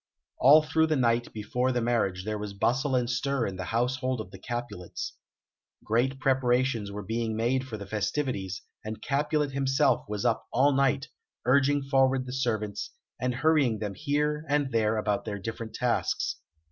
All through the night before the marriage there was bustle and stir in the household of the Capulets. Great preparations were being made for the festivities, and Capulet himself was up all night, urging forward the servants, and hurrying them here and there about their different tasks.